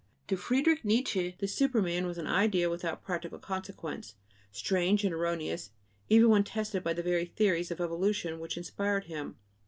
To Friedrich Nietzsche, the superman was an idea without practical consequence, strange and erroneous even when tested by the very theories of evolution which inspired him.